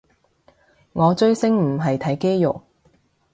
我追星唔係睇肌肉